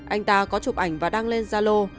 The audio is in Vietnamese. anh ta có chụp ảnh và đăng lên gia lô